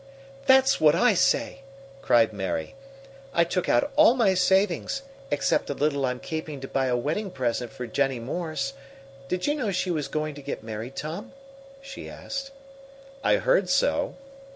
"That's what I say!" Cried Mary. "I took out all my savings, except a little I'm keeping to buy a wedding present for Jennie Morse. Did you know she was going to get married, Tom?" she asked. "I heard so."